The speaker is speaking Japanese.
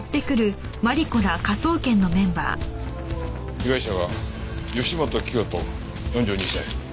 被害者は義本清人４２歳。